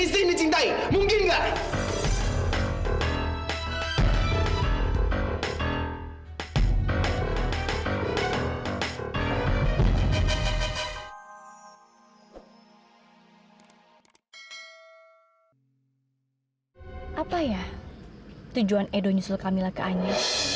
sampai jumpa di video selanjutnya